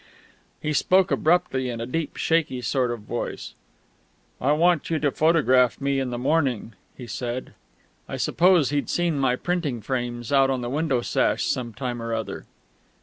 He spoke abruptly, in a deep, shaky sort of voice. "I want you to photograph me in the morning," he said. I supposed he'd seen my printing frames out on the window sash some time or other.